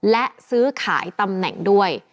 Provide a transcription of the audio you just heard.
และซื้อขายตำแหน่งด้วย